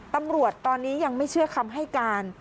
ตำรวจตอนนี้ยังไม่เชื่อคำให้การ